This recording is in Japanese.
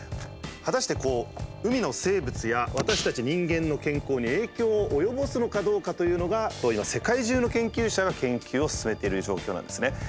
果たしてこう海の生物や私たち人間の健康に影響を及ぼすのかどうかというのが今世界中の研究者が研究を進めている状況なんですね。